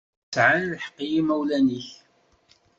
Sεan lḥeqq yimawlan-ik.